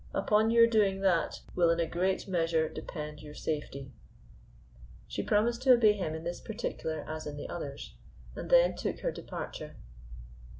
Upon your doing that will in a great measure depend your safety." She promised to obey him in this particular as in the others, and then took her departure.